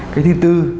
cái thứ tư